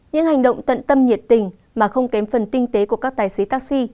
những hành động tận tâm nhiệt tình mà không kém phần tinh tế của các tài xế taxi